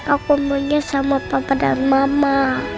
aku mau nyanyi sama papa dan mama